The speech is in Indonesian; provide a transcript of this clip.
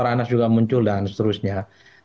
saya kira adalah nama nama yang saya kira sangat mumpuni